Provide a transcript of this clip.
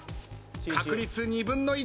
確率２分の１。